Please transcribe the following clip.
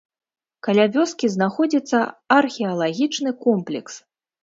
Каля вёскі знаходзіцца археалагічны комплекс.